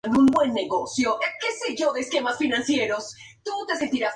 Pius X, obispo, sin permiso del papa, en una ceremonia en Carlsbad, California.